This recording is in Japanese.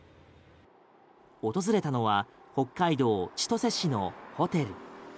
訪れたのは北海道千歳市のホテル。